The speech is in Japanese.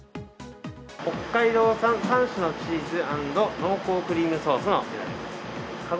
北海道産３種のチーズ＆濃厚クリームソースのピザです。